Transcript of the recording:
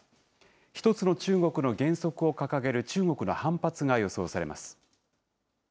一つの中国の原則を掲げる中国の反発が予想されます。